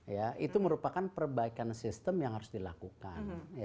ya itu merupakan perbaikan sistem yang harus dilakukan